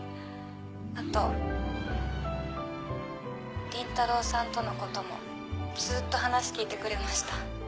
あと倫太郎さんとのこともずっと話聞いてくれました。